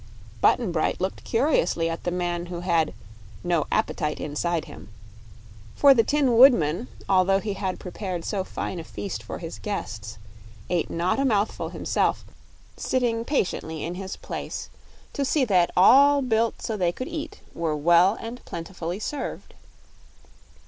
Button Bright looked curiously at the man who had "no appetite inside him," for the Tin Woodman, although he had prepared so fine a feast for his guests, ate not a mouthful himself, sitting patiently in his place to see that all built so they could eat were well and plentifully served.